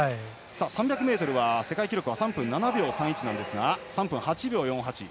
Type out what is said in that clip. ３００ｍは世界記録は３分７秒３１ですが３分８秒４８。